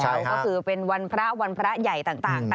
ก็คือเป็นวันพระวันพระใหญ่ต่าง